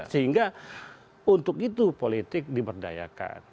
sehingga untuk itu politik diberdayakan